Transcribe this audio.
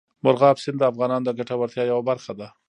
مورغاب سیند د افغانانو د ګټورتیا یوه برخه ده.